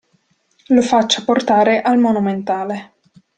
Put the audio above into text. Lo faccia portare al Monumentale.